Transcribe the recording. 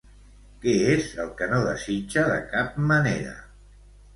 Què és el que no desitja de cap manera?